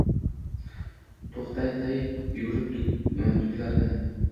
to’xtatay yuragim dukurlarini.